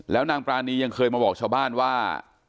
แล้วนางปรานียังเคยมาบอกชาวบ้านว่า